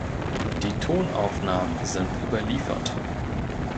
Die Tonaufnahmen sind überliefert.